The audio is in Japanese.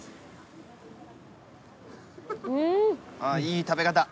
あいい食べ方。